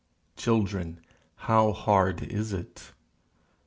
"Children, how hard is it!"